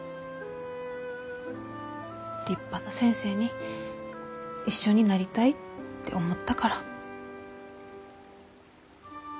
立派な先生に一緒になりたいって思ったから。